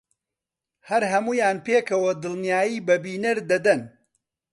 هەر هەموویان پێکەوە دڵنیایی بە بینەر دەدەن